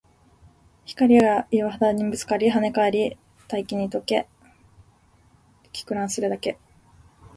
光は岩肌にぶつかり、跳ね返り、大気に溶け、霧散するだけ